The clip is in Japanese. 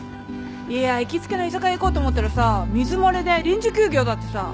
いや行きつけの居酒屋行こうと思ったらさ水漏れで臨時休業だってさ。